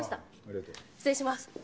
失礼します。